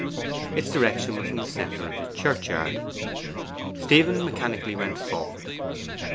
Its direction was from the centre of the churchyard. Stephen mechanically went forward.